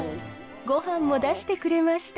ごはんも出してくれました。